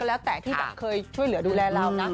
แล้วแต่ที่แบบเคยช่วยเหลือดูแลเรานะ